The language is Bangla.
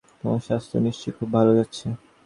তোমার স্বাস্থ্য নিশ্চয়ই খুব ভাল যাচ্ছে।